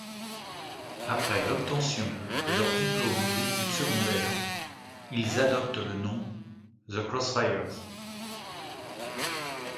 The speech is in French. Après l'obtention de leur diplôme d'études secondaires, ils adoptent le nom The Crossfires.